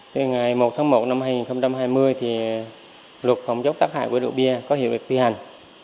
từ ngày một tháng một năm hai nghìn hai mươi lực phòng chống tác hại của độ bia có hiệu lực thi hành